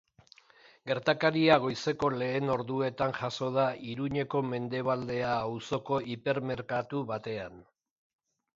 Gertakaria goizeko lehen orduetan jazo da Iruñeko Mendebaldea auzoko hipermerkatu batean.